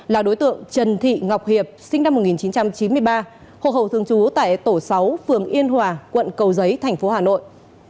là đối tượng trần thị ngọc hiệp sinh năm một nghìn chín trăm chín mươi ba hộ khẩu thường trú tại tổ sáu phường yên hòa quận cầu giấy thành phố hà nội